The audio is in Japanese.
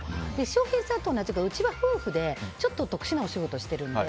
翔平さんと同じくうちは夫婦でちょっと特殊なお仕事をしているので。